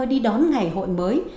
đi đón ngày hội mới